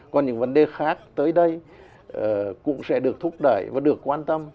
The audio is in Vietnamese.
còn những vấn đề khác tới đây cũng sẽ được thúc đẩy và được quan tâm